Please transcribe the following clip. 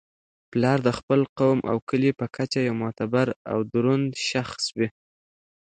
پلار د خپل قوم او کلي په کچه یو معتبر او دروند شخص وي.